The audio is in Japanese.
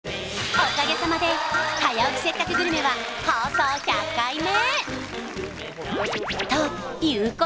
おかげさまで「早起きせっかくグルメ！！」は放送１００回目！